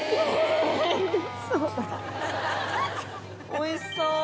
おいしそう！